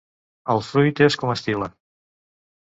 El fruit és comestible.